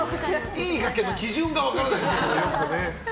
いい崖の基準が分からないですけどね。